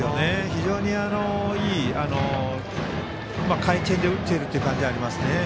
非常にいい回転で打っている感じがありますね。